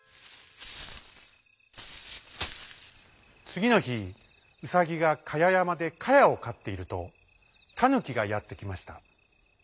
つぎのひウサギがかややまでかやをかっているとタヌキがやってきました。